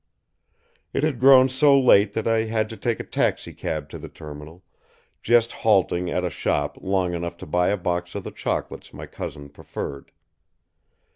It had grown so late that I had to take a taxicab to the Terminal, just halting at a shop long enough to buy a box of the chocolates my cousin preferred.